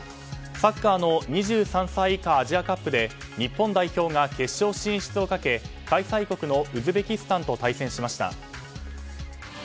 サッカーの２３歳以下アジアカップで日本代表が決勝進出をかけ開催国のウズベキスタンと対戦しました。